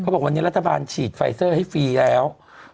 บอกวันนี้รัฐบาลฉีดไฟเซอร์ให้ฟรีแล้ว